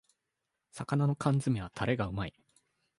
魚の缶詰めはタレがうまい